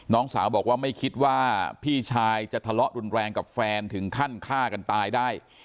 น้องสาวบอกว่าไม่คิดว่าพี่ชายจะทะเลาะรุนแรงกับแฟนถึงขั้นฆ่ากันตายได้